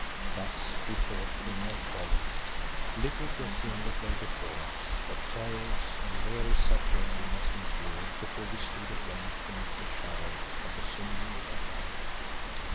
Thus we thought in our folly, little guessing what lay before us, what terrors and weary suffering we must endure before we stood at length beneath the shadow of the Symbol of Life.